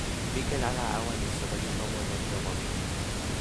mi ken ala awen e soweli tomo lon tomo mi.